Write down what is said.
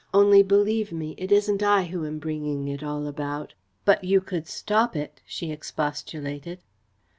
Only, believe me, it isn't I who am bringing it all about." "But you could stop it," she expostulated.